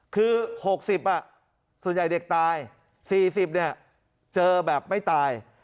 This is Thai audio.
คือหกสิบอ่ะส่วนใหญ่เด็กตายสี่สิบเนี่ยเจอแบบไม่ตาย